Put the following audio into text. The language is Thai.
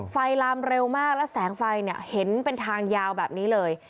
ไฟลามเร็วมากและแสงไฟเห็นเป็นทางยาวแบบนี้เลย